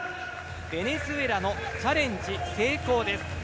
ベネズエラのチャレンジ成功です。